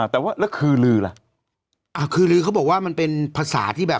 แต่ว่าแล้วคือลือล่ะคือลือเขาบอกว่ามันเป็นภาษาที่แบบ